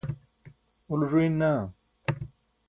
ulo ẓuyin naa